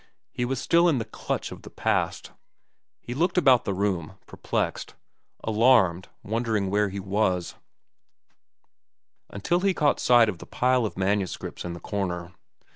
He was still in the clutch of the past. He looked about the room, perplexed, alarmed, wondering where he was, until he caught sight of the pile of manuscripts in the corner.